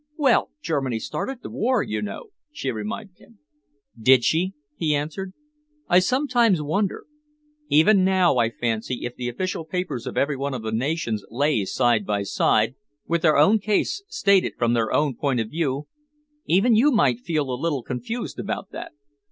"Well, Germany started the war, you know," she reminded him. "Did she?" he answered. "I sometimes wonder. Even now I fancy, if the official papers of every one of the nations lay side by side, with their own case stated from their own point of view, even you might feel a little confused about that.